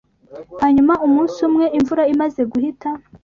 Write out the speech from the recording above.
Hanyuma umunsi umwe imvura imaze guhita